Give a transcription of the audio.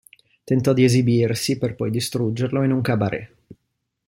Tentò di esibirsi, per poi distruggerlo, in un cabaret.